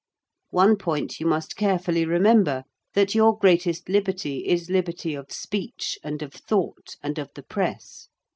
One point you must carefully remember, that your greatest liberty is liberty of speech and of thought and of the Press.